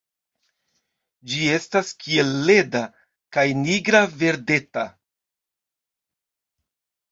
Ĝi estas kiel leda, kaj nigra-verdeta.